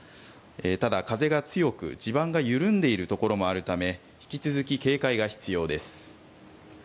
ただ、風が強く地盤が緩んでいるところもあるため引き続き警戒が必要です。